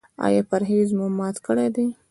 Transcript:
ایا پرهیز مو مات کړی دی؟